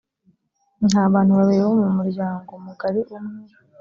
nta bantu babiri bo mu muryango mugari umwe